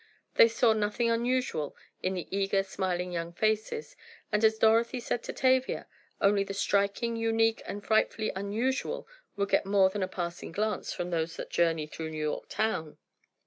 They saw nothing unusual in the eager, smiling young faces, and as Dorothy said to Tavia, only the striking, unique and frightfully unusual would get more than a passing glance from those that journey through New York town.